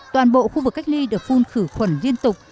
toàn bộ khu vực cách ly được phun khử khuẩn liên tục